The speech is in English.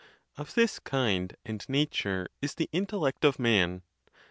Of this kind and nature is the intellect of man.